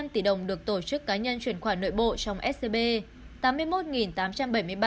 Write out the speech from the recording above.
năm hai trăm bảy mươi năm tỷ đồng được tổ chức cá nhân truyền khoản nội bộ trong scb